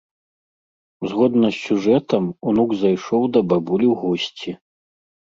Згодна з сюжэтам, унук зайшоў да бабулі ў госці.